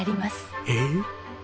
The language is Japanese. えっ？